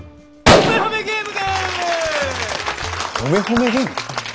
ほめほめゲーム？